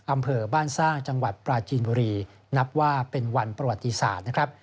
อำเภอบ้านสร้างจังหวัดปราจีนบุรีนับว่าเป็นวันประวัติศาสตร์นะครับ